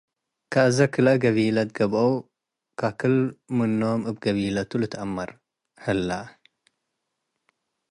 ወአዜ ክልኤ ገቢለት ገብአው ከክል-ምኖም እብ ገቢለቱ ልትአመር ሀለ ።